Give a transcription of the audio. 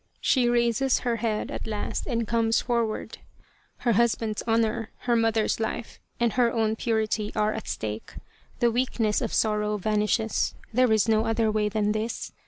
She raises her head at last and comes forward. Her husband's honour, her mother's life, and her own purity are at stake ; the weakness of sorrow vanishes there is no other way than this.